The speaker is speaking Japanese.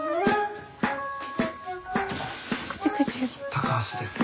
高橋です。